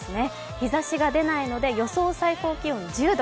日ざしが出ないので予想最高気温１０度。